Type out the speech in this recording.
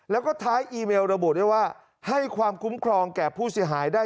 แล้วก็ท้ายอีเมลระบุได้ว่าให้ความคุ้มครองแก่ผู้เสียหายได้